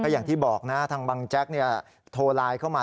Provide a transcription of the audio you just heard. อย่างที่บอกนะทางบังแจ๊กโทรไลน์เข้ามา